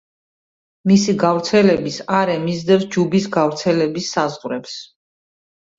მისი გავრცელების არე მისდევს ჯუბის გავრცელების საზღვრებს.